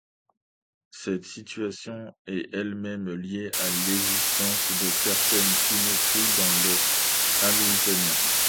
Cette situation est elle-même liée à l'existence de certaines symétries dans le hamiltonien.